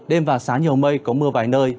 đêm và sáng nhiều mây có mưa vái nơi